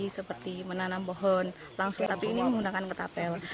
seperti menanam pohon langsung tapi ini menggunakan ketapel